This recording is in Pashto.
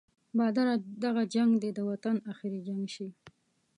باداره دغه جنګ دې د وطن اخري جنګ شي.